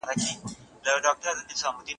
مدیتیشن مو له اندېښنو لري ساتي.